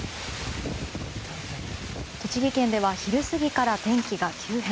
栃木県では昼過ぎから天気が急変。